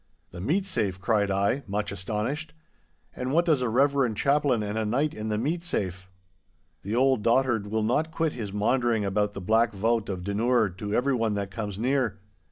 'The meat safe,' cried I, much astonished; 'and what does a reverend chaplain and a knight in the meat safe?' 'The old dotard will not quit his maundering about the Black Vaut of Dunure to every one that comes near.